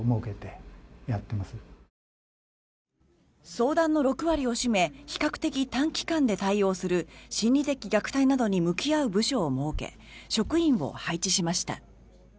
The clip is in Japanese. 相談の６割を占め比較的、短期間で対応する心理的虐待などに向き合う部署を設け職員を配置しました。